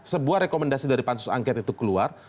sebuah rekomendasi dari pansus angket itu keluar